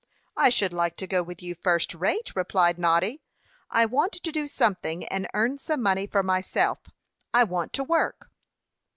"I should like to go with you first rate," replied Noddy. "I want to do something, and earn some money for myself. I want to work."